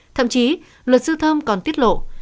thậm chí luật sư thơm còn tiết lộ